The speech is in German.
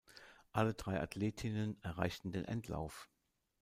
Alle drei Athletinnen erreichten den Endlauf.